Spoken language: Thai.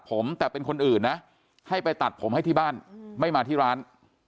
ผมแต่เป็นคนอื่นนะให้ไปตัดผมให้ที่บ้านไม่มาที่ร้าน